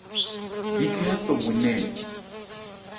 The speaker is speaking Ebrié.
Bíkhɛ́n ɛɛ́ tɔ bhwe nɛɛn ɛ.